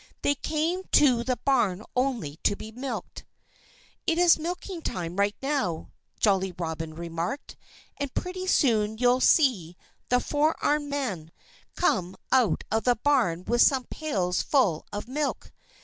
They came to the barn only to be milked. "It's milking time right now," Jolly Robin remarked. "And pretty soon you'll see the four armed man come out of the barn with some pails full of milk.